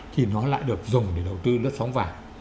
thì nó lại được dùng để đầu tư lướt sóng vàng